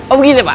oh gitu pak